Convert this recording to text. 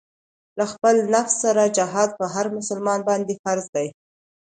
له خپل نفس سره جهاد پر هر مسلمان باندې فرض دی.